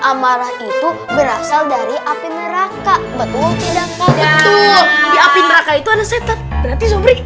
amarah itu berasal dari api neraka betul tidak betul api neraka itu ada setan berarti zubri